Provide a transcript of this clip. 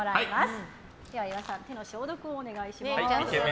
それでは岩井さん手の消毒をお願いします。